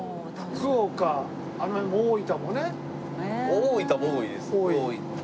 大分も多いです。